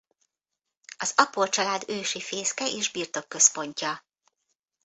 Az Apor család ősi fészke és birtokközpontja.